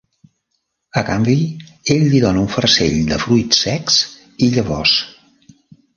A canvi, ell li dona un farcell de fruits secs i llavors.